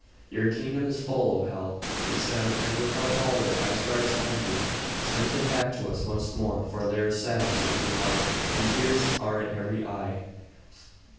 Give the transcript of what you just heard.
"Your kingdom is full, O Hel!" he said, "and without Balder, Asgard is empty. Send him back to us once more, for there is sadness in every heart and tears are in every eye.